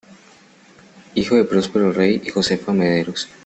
Hijo de Próspero Rey y Josefa Mederos.